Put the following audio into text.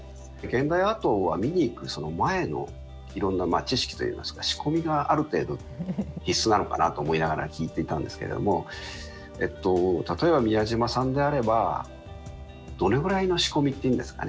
現代アートは見に行くその前のいろんな知識といいますか仕込みがある程度必須なのかなと思いながら聞いていたんですけれども例えば宮島さんであればどれぐらいの仕込みっていうんですかね